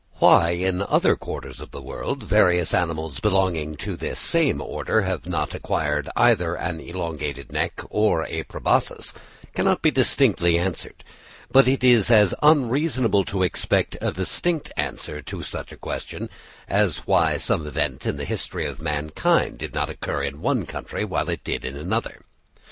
Why, in other quarters of the world, various animals belonging to this same order have not acquired either an elongated neck or a proboscis, cannot be distinctly answered; but it is as unreasonable to expect a distinct answer to such a question as why some event in the history of mankind did not occur in one country while it did in another.